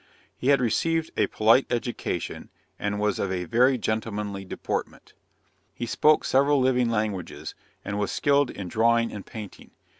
He had received a polite education, and was of a very gentlemanly deportment. He spoke several living languages, and was skilled in drawing and painting.